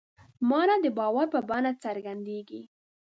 مانا د باور په بڼه څرګندېږي.